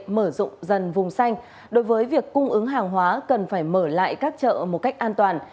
mở rộng dần vùng xanh đối với việc cung ứng hàng hóa cần phải mở lại các chợ một cách an toàn